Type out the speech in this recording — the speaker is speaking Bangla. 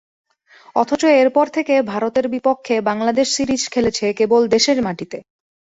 অথচ এরপর থেকে ভারতের বিপক্ষে বাংলাদেশ সিরিজ খেলেছে কেবল দেশের মাটিতে।